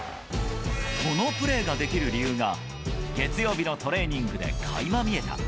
このプレーができる理由が、月曜日のトレーニングでかいま見えた。